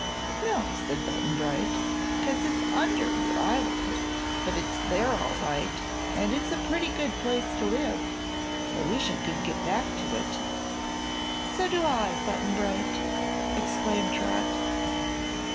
"No," said Button Bright, "'cause it's under your island. But it's there, all right, and it's a pretty good place to live. I wish I could get back to it." "So do I, Button Bright!" exclaimed Trot.